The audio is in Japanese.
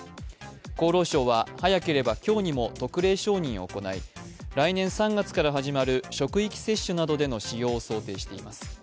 厚労省は早ければ今日にも特例承認を行い来年３月から始まる職域接種などでの使用を想定しています。